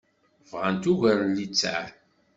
Bɣant ugar n littseɛ.